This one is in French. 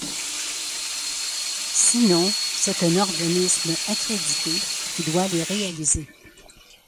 Sinon c'est un organisme accrédité qui doit les réaliser.